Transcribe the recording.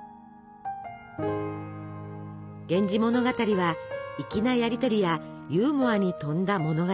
「源氏物語」は粋なやり取りやユーモアに富んだ物語。